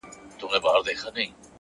پوهه د ذهن پټې لارې روښانوي.!